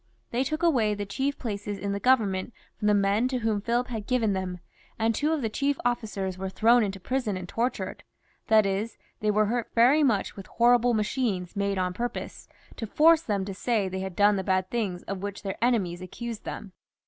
They took away the chief places in the Government from the men to whom Philip had given them, and two of the chief ofl&cers were thrown into prison and tortured ; that is, they were hurt very much with horrible machines made on purpose, to force them to say they had done the bad things of which their enemies accused them.